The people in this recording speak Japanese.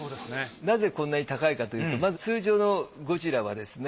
なぜこんなに高いかというとまず通常のゴジラはですね